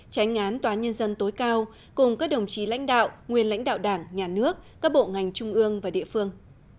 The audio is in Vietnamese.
tránh án tòa án nhân dân tối cao cùng các đồng chí lãnh đạo nguyên lãnh đạo đảng nhà nước các bộ ngành trung ương và địa phương